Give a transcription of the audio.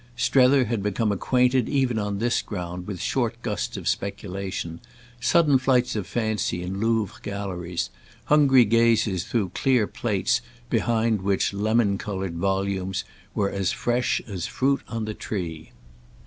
Strether had become acquainted even on this ground with short gusts of speculation—sudden flights of fancy in Louvre galleries, hungry gazes through clear plates behind which lemon coloured volumes were as fresh as fruit on the tree.